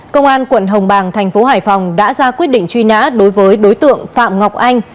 công an quận hồng bàng thành phố hải phòng đã ra quyết định truy nã đối với đối tượng phạm ngọc anh